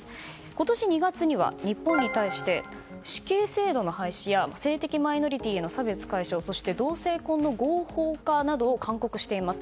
今年２月には日本に対して死刑制度の廃止や性的マイノリティーへの差別の解消そして同性婚の合法化などを勧告しています。